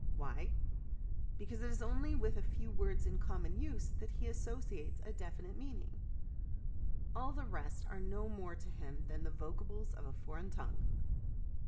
Why ? Because it is only with a few words in common use that he associates a definite meaning ; all the rest are no more to him than the vocables of a foreign tongue.